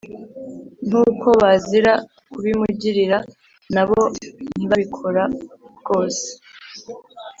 nk’uko bazira kubimugirira na bo ntibabikora rwose